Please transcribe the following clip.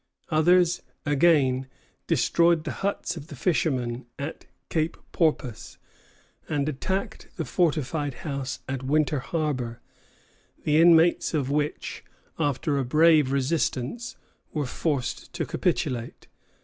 Others, again, destroyed the huts of the fishermen at Cape Porpoise, and attacked the fortified house at Winter Harbor, the inmates of which, after a brave resistance, were forced to capitulate.